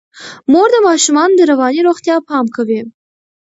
مور د ماشومانو د رواني روغتیا پام کوي.